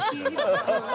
アハハハハ！